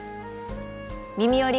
「みみより！